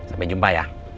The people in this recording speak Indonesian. sampai jumpa ya